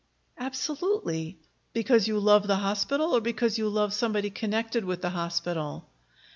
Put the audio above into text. "Absolutely." "Because you love the hospital, or because you love somebody connected with the hospital?"